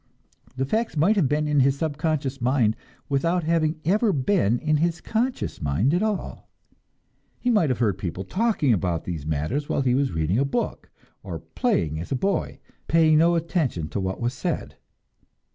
The facts might have been in his subconscious mind without having ever been in his conscious mind at all; he might have heard people talking about these matters while he was reading a book, or playing as a boy, paying no attention to what was said.